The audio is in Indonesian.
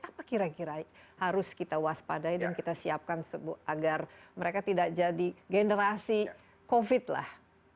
apa kira kira harus kita waspadai dan kita siapkan agar mereka tidak jadi generasi covid lah